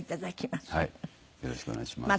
よろしくお願いします。